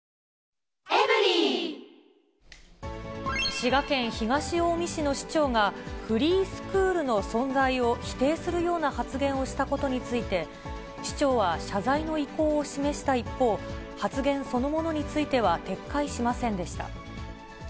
滋賀県東近江市の市長が、フリースクールの存在を否定するような発言をしたことについて、市長は謝罪の意向を示した一方、発言そのものについては撤回しませんでした。